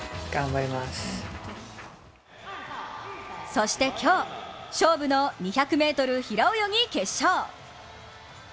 そして今日、勝負の２００ｍ平泳ぎ決勝。